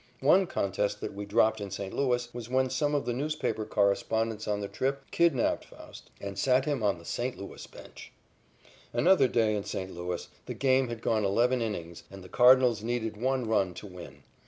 One contest that we dropped in St. Louis was when some of the newspaper correspondents on the trip kidnapped Faust and sat him on the St. Louis bench. Another day in St. Louis the game had gone eleven innings, and the Cardinals needed one run to win.